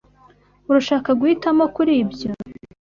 Urashaka guhitamo kuri ibyo?